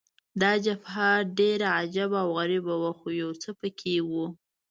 دا جبهه ډېره عجبه او غریبه وه، خو یو څه په کې وو.